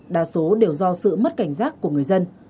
đa số đều do sự mất cảnh giác của người dân